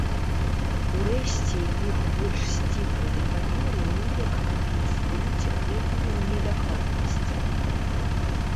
Урэшце іх больш сціплыя памеры неяк кампенсуюць гэтую недакладнасць.